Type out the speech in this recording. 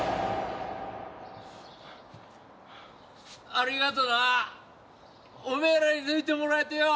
ありがとなおめえらに抜いてもらえてよ